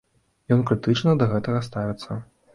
Ён крытычна да гэтага ставіцца.